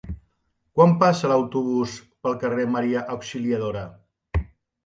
Quan passa l'autobús pel carrer Maria Auxiliadora?